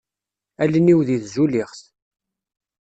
Allen-iw di tzulixt.